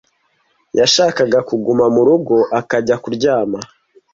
yashakaga kuguma murugo akajya kuryama.